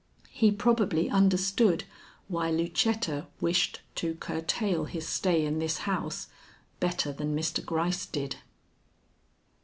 He probably understood why Lucetta wished to curtail his stay in this house better than Mr. Gryce did.